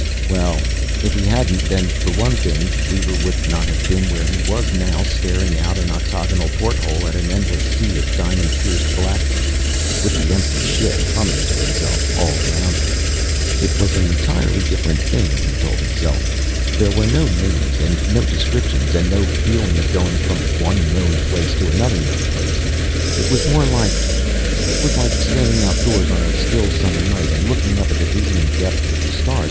Well, if He hadn't then for one thing, Weaver would not have been where he was now, staring out an octagonal porthole at an endless sea of diamond pierced blackness, with the empty ship humming to itself all around him. It was an entirely different thing, he told himself; there were no names, and no descriptions, and no feeling of going from one known place to another known place. It was more like It was like standing outdoors, on a still summer night, and looking up at the dizzying depths of the stars.